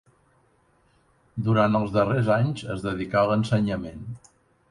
Durant els darrers anys es dedicà a l'ensenyament.